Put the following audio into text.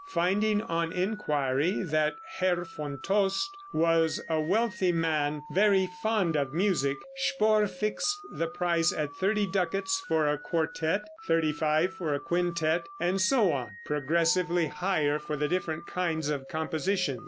Finding on inquiry that Herr von Tost was a wealthy man, very fond of music, Spohr fixed the price at thirty ducats for a quartette, thirty five for a quintette, and so on, progressively higher for the different kinds of composition.